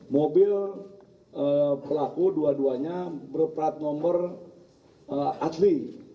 mobil pelaku dua duanya berplat nomor asli